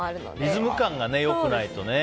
リズム感が良くないとね。